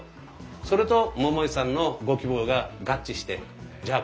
それと桃井さんのご希望が合致してじゃあ